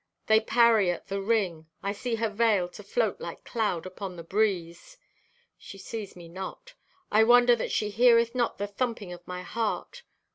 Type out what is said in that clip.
"They parry at the ring! I see her veil to float like cloud upon the breeze. "She sees me not. I wonder that she heareth not the thumping of my heart.